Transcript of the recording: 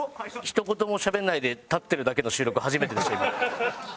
ひと言もしゃべらないで立ってるだけの収録初めてでした。